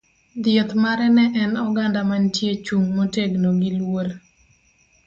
Dhieth mare ne en oganda mantie chung' motegno gi luor.